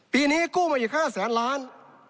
ปีนี้กู้มาอีก๕แสนล้าน